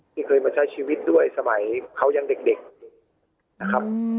ที่เคยมาใช้ชีวิตด้วยสมัยเขายังเด็ก